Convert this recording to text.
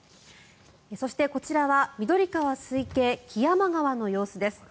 そしてこちらは緑川水系木山川の様子です。